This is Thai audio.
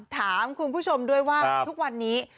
ถามคุณผู้ชมด้วยว่าทุกวันนี้